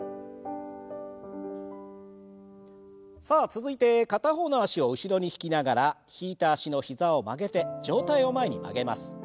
さあ続いて片方の脚を後ろに引きながら引いた脚の膝を曲げて上体を前に曲げます。